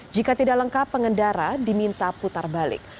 jika tidak lengkap pengendara diminta putar balik